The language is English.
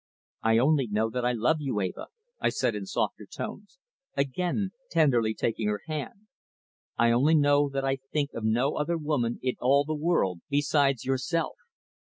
"I only know that I love you, Eva," I said in softer tones, again tenderly taking her hand. "I only know that I think of no other woman in all the world besides yourself.